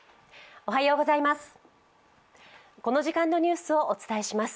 おはようございます。